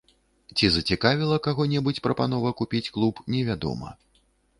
Ці зацікавіла каго-небудзь прапанова купіць клуб, невядома.